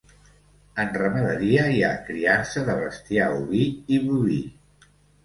En ramaderia, hi ha criança de bestiar oví i boví.